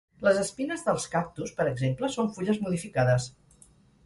Les espines dels cactus, per exemple, són fulles modificades.